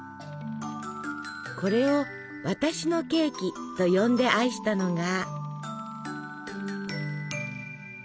これを「私のケーキ」と呼んで愛したのが。